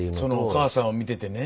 そのお母さんを見ててね。